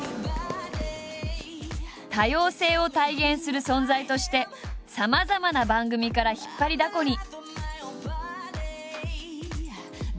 多様性を体現する存在としてさまざまな番組から引っ張りだこに。